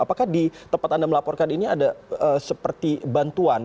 apakah di tempat anda melaporkan ini ada seperti bantuan